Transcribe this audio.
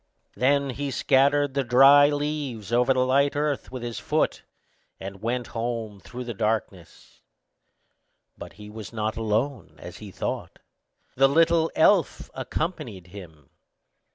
Then he scattered the dry leaves over the light earth with his foot, and went home through the darkness; but he went not alone, as he thought,—the little elf accompanied him.